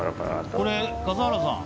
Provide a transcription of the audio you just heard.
これ、笠原さん。